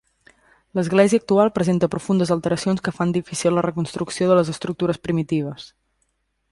L'església actual presenta profundes alteracions que fan difícil la reconstrucció de les estructures primitives.